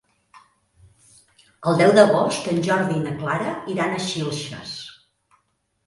El deu d'agost en Jordi i na Clara iran a Xilxes.